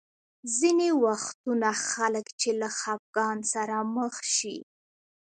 ځینې وختونه خلک چې له خفګان سره مخ شي.